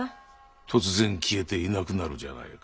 突然消えていなくなるじゃないか。